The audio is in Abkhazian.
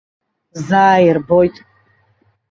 Заа ирбоит.